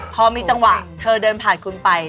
พอมีจังหวะเธอเดินผ่านคุณไป